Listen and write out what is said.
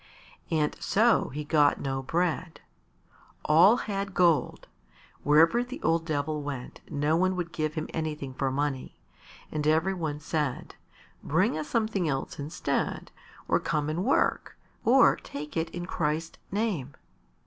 And so he got no bread. All had gold; wherever the old Devil went no one would give him anything for money, and every one said, "Bring us something else instead, or come and work, or take it in Christ's name."